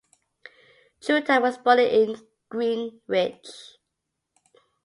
Chuter was born in Greenwich.